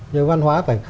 nhưng văn hóa phải